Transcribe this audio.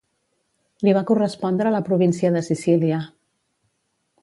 Li va correspondre la província de Sicília.